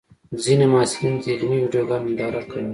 ځینې محصلین د علمي ویډیوګانو ننداره کوي.